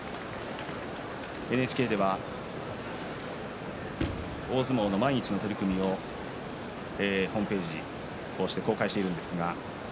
ＮＨＫでは大相撲の毎日の取組をホームページで公開しています。